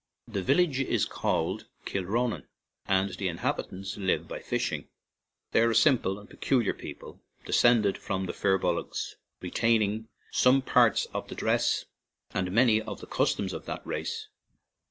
The village is called Kil ronan, and the inhabitants live by fish ing. They are a simple and peculiar people, descended from the Firbolgs, re taining some parts of the dress and many of the customs of that race.